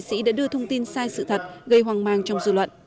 các nghệ sĩ đã đưa thông tin sai sự thật gây hoang mang trong dư luận